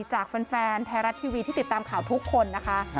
จากแฟนไทยรัฐทีวีที่ติดตามข่าวทุกคนนะคะ